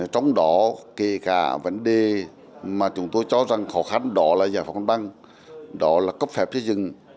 trong đó kể cả vấn đề mà chúng tôi cho rằng khó khăn đó là giải phóng băng đó là cấp phép xây dựng